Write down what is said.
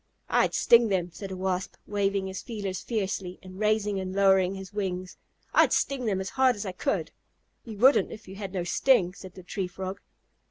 "I'd sting them," said a Wasp, waving his feelers fiercely and raising and lowering his wings. "I'd sting them as hard as I could." "You wouldn't if you had no sting," said the Tree Frog.